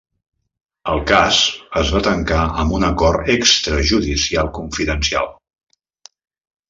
El cas es va tancar amb un acord extrajudicial confidencial.